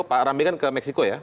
pak ramli kan ke meksiko ya